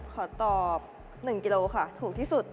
ขอตอบ๑กิโลค่ะถูกที่สุด